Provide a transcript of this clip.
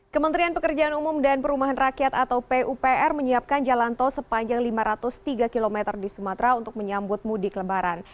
kementerian pekerjaan umum dan perumahan rakyat atau pupr menyiapkan jalan tol sepanjang lima ratus tiga km di sumatera untuk menyambut mudik lebaran